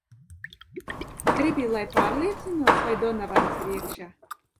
Gribi, lai pārliecinos, vai Donavans ir iekšā?